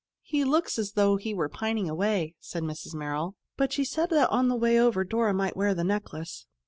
"He looks as though he were pining away," said Mrs. Merrill, but she said that on the way over Dora might wear the necklace.